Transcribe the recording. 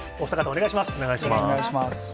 お願いします。